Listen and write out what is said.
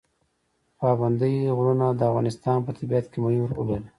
پابندی غرونه د افغانستان په طبیعت کې مهم رول لري.